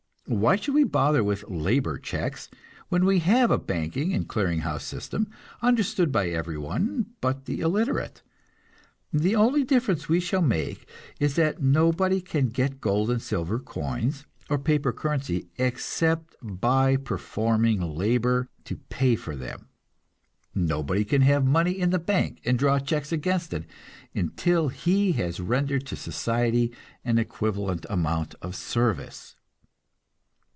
Why should we bother with "labor checks," when we have a banking and clearing house system, understood by everyone but the illiterate? The only difference we shall make is that nobody can get gold and silver coins or paper currency, except by performing labor to pay for them; nobody can have money in the bank and draw checks against it, until he has rendered to society an equivalent amount of service.